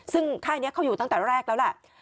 ซึ่งค่ายนี้เขาอยู่ตั้งแต่แรกแล้วแหละ